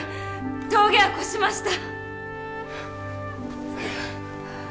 峠は越しました